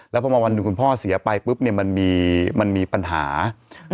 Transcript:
แล้วพอมาวันหนึ่งคุณพ่อเสียไปปุ๊บเนี้ยมันมีมันมีปัญหาอืม